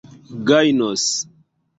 gajnos